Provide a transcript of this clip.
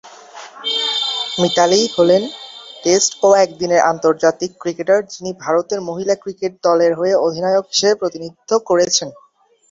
মিতালী হলেন টেস্ট ও একদিনের আন্তর্জাতিক ক্রিকেটার যিনি ভারতের মহিলা ক্রিকেট দলের হয়ে অধিনায়ক হিসেবে প্রতিনিধিত্ব করছেন।